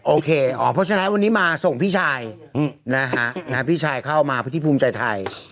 โอเคเหรอเพราะฉะนั้นวันนี้มาส่งพี่ชาย